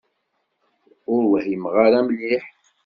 Ur whimeɣ ara mliḥ.